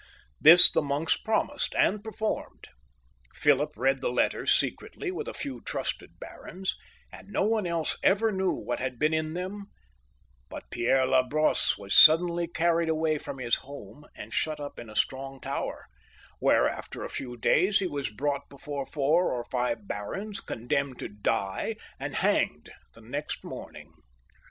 This the monks promised and performed. Philip read the letters secretly with a few trusted barons, and no one else ever knew what had been in them ; but Pierre la Brosse was suddenly carried away from his home and shut up in a strong tower, where, after a few days, he was brought before four or five barons, condemned to die, and hanged the next morning.